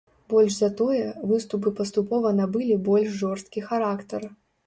Больш за тое, выступы паступова набылі больш жорсткі характар.